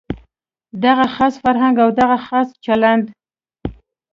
دغه خاص فرهنګ او دغه خاص چلند.